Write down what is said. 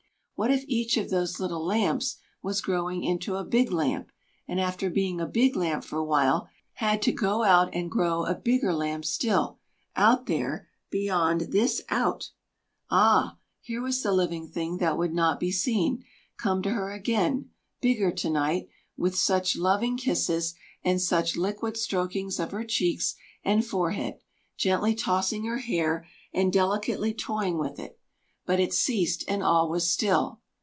What if each of those little lamps was growing into a big lamp, and after being a big lamp for a while, had to go out and grow a bigger lamp still out there, beyond this out? Ah! here was the living thing that would not be seen, come to her again bigger to night! with such loving kisses, and such liquid strokings of her cheeks and forehead, gently tossing her hair, and delicately toying with it! But it ceased, and all was still.